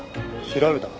調べた？